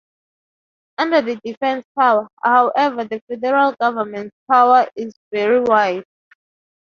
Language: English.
Under the defence power, however, the federal government's power is very wide.